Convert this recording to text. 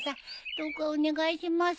どうかお願いします。